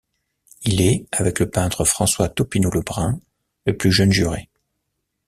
Il est, avec le peintre François Topino-Lebrun, le plus jeune juré.